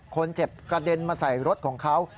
คนเจ็บกระเด็นมาใส่รถของเขา